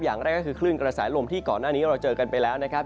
อย่างแรกก็คือคลื่นกระแสลมที่ก่อนหน้านี้เราเจอกันไปแล้วนะครับ